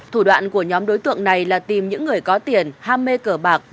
thủ đoạn của nhóm đối tượng này là tìm những người có tiền ham mê cờ bạc